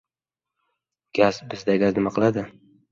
— Gaz? Bizda gaz nima qiladi?